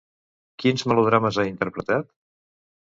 Quins melodrames ha interpretat?